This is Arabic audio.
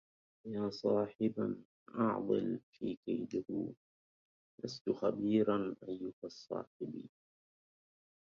ياصاحبا أعضل في كيده لست خبيرا أيها الصاحب